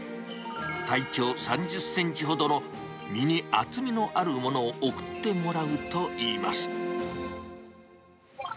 体長３０センチほどの身に厚みのあるものを送ってもらうといいます。